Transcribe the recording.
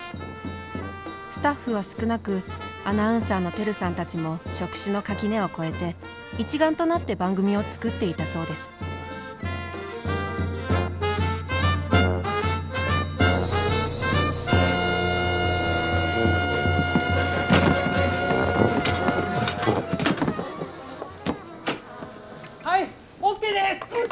スタッフは少なくアナウンサーの輝さんたちも職種の垣根を越えて一丸となって番組を作っていたそうですはいオッケーです。